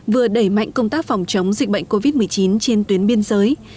vừa đẩy mạnh công tác phòng chống dịch bệnh covid một mươi chín trên tuyến biên giới